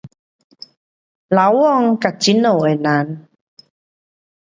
老公和自家的人。